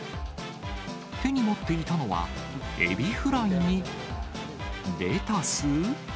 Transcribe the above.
手に持っていたのは、エビフライにレタス？